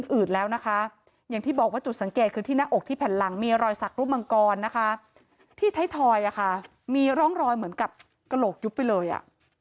อื่นแล้วนะคะอย่างที่บอกว่าจุดสังเกตคือที่หน้าอกที่แผ่นหลังมีรอยสักรูปมังกรนะคะที่ไทยทอยอ่ะค่ะมีร่องรอยเหมือนกับกระโหลกยุบไปเลยอ่ะ